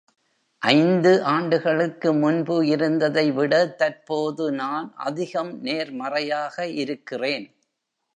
ஐந்து ஆண்டுகளுக்கு முன்பு இருந்ததை விட தற்போது நான் அதிகம் நேர்மறையாக இருக்கிறேன்.